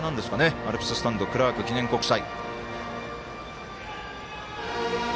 アルプススタンドクラーク記念国際。